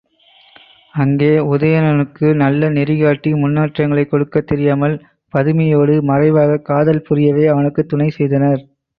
அங்கே உதயணனுக்கு நல்ல நெறி காட்டி முன்னேற்றங் கொடுக்கத் தெரியாமல் பதுமையோடு மறைவாகக் காதல் புரியவே அவனுக்குத் துணைசெய்தனர்.